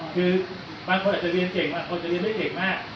คือบางคนอาจจะเรียนเก่งบางคนจะเรียนไม่เก่งมาก